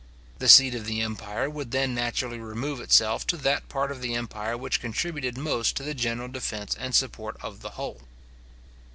The seat of the empire would then naturally remove itself to that part of the empire which contributed most to the general defence and support of the whole.